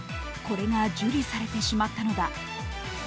これが受理されてしまったのだ。